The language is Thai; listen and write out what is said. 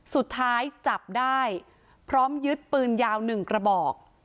สุดท้ายจับได้พร้อมยึดปืนยาว๑กระบอก